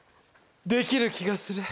できる気がする。